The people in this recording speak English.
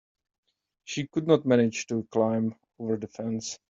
She could not manage to climb over the fence.